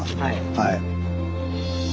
はい。